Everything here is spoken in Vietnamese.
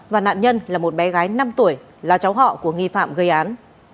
và nạn nhân là một bé gái năm tuổi là cháu họ của nghi phạm gây án